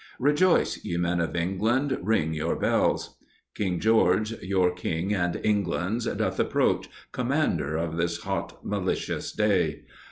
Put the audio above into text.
Rejoice, ye men of England, ring your bells. King George, your King and England's, doth approach, Commander of this hot, malicious day!